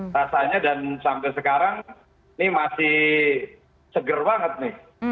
rasanya dan sampai sekarang ini masih seger banget nih